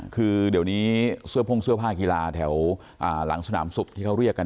คือเดี๋ยวนี้ส่วนผ้าคีฬาแถวหลังสุนามสุบที่เขาเรียกกัน